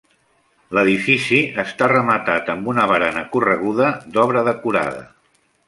L'edifici està rematat amb una barana correguda d'obra decorada.